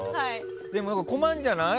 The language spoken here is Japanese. でも、困るんじゃない？